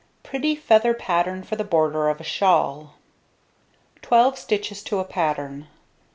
Pretty Feather Pattern for the Border of a Shawl. Twelve stitches to a pattern.